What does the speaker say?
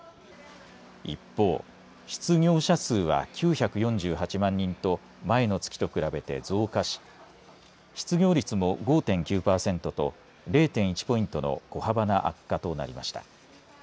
一方、失業者数は９４８万人と前の月と比べて増加し失業率も５．９パーセントと０．１ポイントの小幅な悪化となりました。